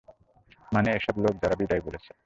মানে, এই সব লোক যারা বিদায় বলেছে।